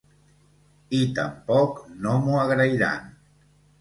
I tampoc no m'ho agrairan.